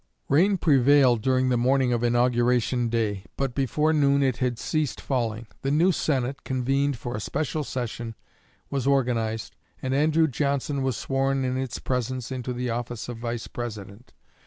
Rain prevailed during the morning of inauguration day, but before noon it had ceased falling. The new Senate, convened for a special session, was organized, and Andrew Johnson was sworn in its presence into the office of Vice President.